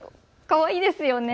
かわいいですね。